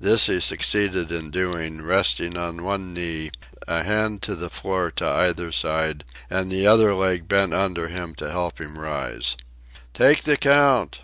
This he succeeded in doing, resting on one knee, a hand to the floor on either side and the other leg bent under him to help him rise. "Take the count!